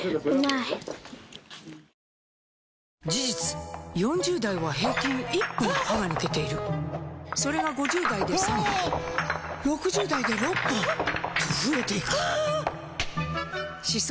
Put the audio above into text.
事実４０代は平均１本歯が抜けているそれが５０代で３本６０代で６本と増えていく歯槽